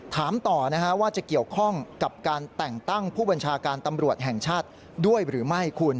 ถามต่อว่าจะเกี่ยวข้องกับการแต่งตั้งผู้บัญชาการตำรวจแห่งชาติด้วยหรือไม่คุณ